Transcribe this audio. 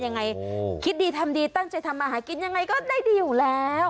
ยังไงคิดดีทำดีตั้งใจทำมาหากินยังไงก็ได้ดีอยู่แล้ว